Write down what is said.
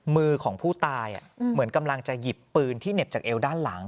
มือของผู้ตายเหมือนกำลังจะหยิบปืนที่เหน็บจากเอวด้านหลัง